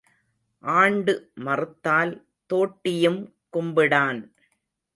ஆண்டு மறுத்தால் தோட்டியும் கும்பிடான்.